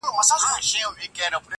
هسي ویني بهېدلې له پرهاره٫